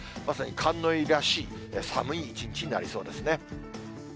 まさに寒の入りらしい、寒い一日になりそうですね。